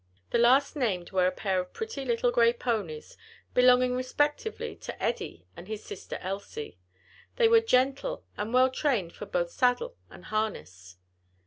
The last named were a pair of pretty little grey ponies belonging respectively to Eddie and his sister Elsie. They were gentle and well trained for both saddle and harness.